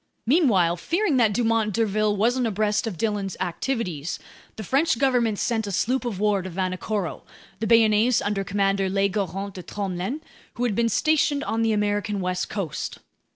Meanwhile, fearing that Dumont d'Urville wasn't abreast of Dillon's activities, the French government sent a sloop of war to Vanikoro, the Bayonnaise under Commander Legoarant de Tromelin, who had been stationed on the American west coast.